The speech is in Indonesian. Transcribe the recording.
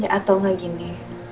ya atau nggak gini